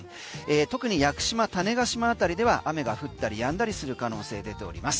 特に屋久島、種子島あたりでは雨が降ったりやんだりする可能性が出ております。